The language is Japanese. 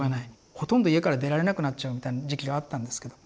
ほとんど家から出られなくなっちゃうみたいな時期があったんですけど。